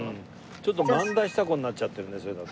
ちょっと萬田久子になっちゃってるねそれだと。